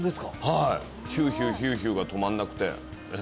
はいヒューヒューヒューヒューが止まんなくてええ